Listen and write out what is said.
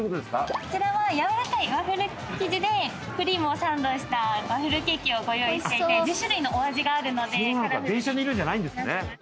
こちらはやわらかいワッフル生地でクリームをサンドしたワッフルケーキをご用意していて１０種類のお味があるので。